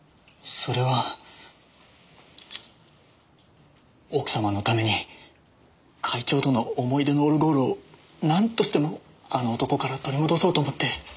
それは奥様のために会長との思い出のオルゴールをなんとしてもあの男から取り戻そうと思って。